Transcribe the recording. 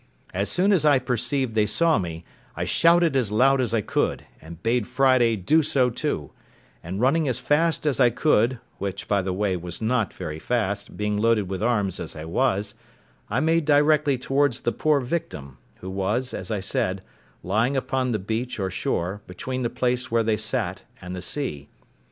As soon as I perceived they saw me, I shouted as loud as I could, and bade Friday do so too, and running as fast as I could, which, by the way, was not very fast, being loaded with arms as I was, I made directly towards the poor victim, who was, as I said, lying upon the beach or shore, between the place where they sat and the sea.